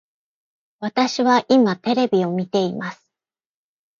私は今テレビを見ています